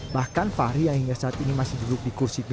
bahkan fahri yang hingga saat ini masih dipercaya dengan kegagatan hukum